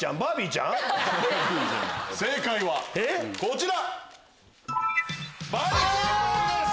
正解はこちら！